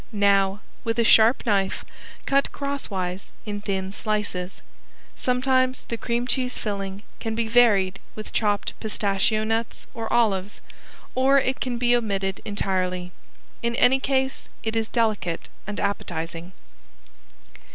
Now with a sharp knife cut crosswise in thin slices. Sometimes the cream cheese filling can be varied with chopped pistachio nuts or olives, or it can be omitted entirely. In any case, it is delicate and appetizing.